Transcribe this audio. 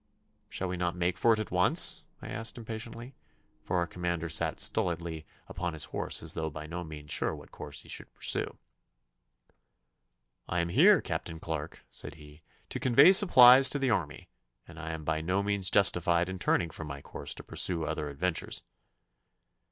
'Shall we not make for it at once?' I asked impatiently, for our commander sat stolidly upon his horse as though by no means sure what course he should pursue. 'I am here, Captain Clarke,' said he, 'to convey supplies to the army, and I am by no means justified in turning from my course to pursue other adventures.